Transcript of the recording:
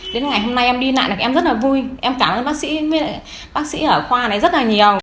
đến ngày hôm nay em đi lại thì em rất là vui em cảm ơn bác sĩ với bác sĩ ở khoa này rất là nhiều